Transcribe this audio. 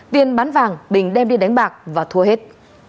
tiền bán vàng bình đem đi đánh bạc và thua hết